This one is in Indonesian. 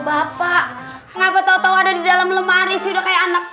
bapak kenapa tau tau ada di dalam lemari sih udah kayak anak